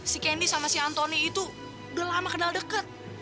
si kenny sama si antoni itu udah lama kenal deket